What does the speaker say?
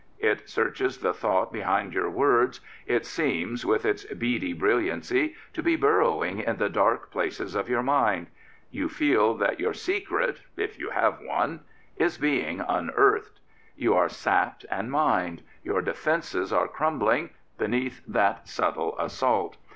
It searches the thought behind your words. It seems, with its beady brilliancy, to be burrowing in the dark places of your mind. You feel that your secret, if you have one, is being unearthed. You are sapped and mined. Your defences are crumbling beneath that subtle assault.